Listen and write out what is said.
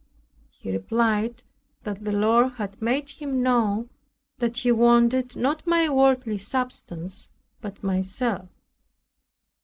He replied, that the Lord had made him know that He wanted not my worldly substance but myself.